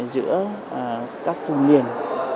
giữa các cùng liền